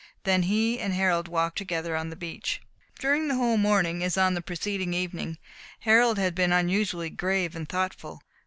Then he and Harold walked together on the beach. During the whole morning, as on the preceding evening, Harold had been unusually grave and thoughtful.